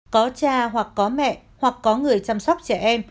có cha hoặc có mẹ hoặc có người chăm sóc trẻ em